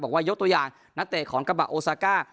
ยกตัวอย่างนักเตะของกระบะโอซาก้า